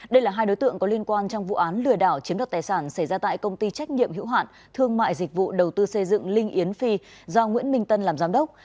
đây là hai đối tượng có liên quan trong vụ án lừa đảo chiếm đoạt tài sản xảy ra tại công ty trách nhiệm hữu hạn thương mại dịch vụ đầu tư xây dựng linh yến phi do nguyễn minh tân làm giám đốc